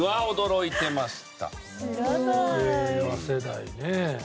令和世代ねえ。